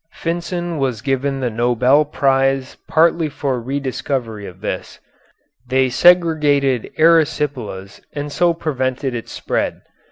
Finsen was given the Nobel prize partly for re discovery of this. They segregated erysipelas and so prevented its spread.